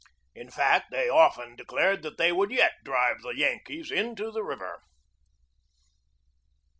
In fact, they often de clared that they would yet drive the Yankees into the river.